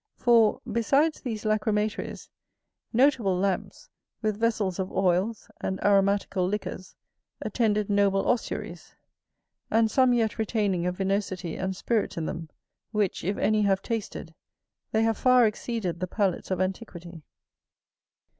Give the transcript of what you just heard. For, besides these lacrymatories, notable lamps, with vessels of oils, and aromatical liquors, attended noble ossuaries; and some yet retaining a vinosity and spirit in them, which, if any have tasted, they have far exceeded the palates of antiquity.